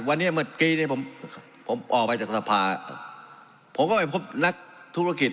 วันนี้เมื่อกี้เนี่ยผมผมออกไปจากสภาผมก็ไปพบนักธุรกิจ